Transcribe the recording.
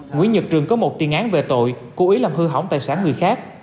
nguyễn nhật trường có một tiền án về tội cố ý làm hư hỏng tài sản người khác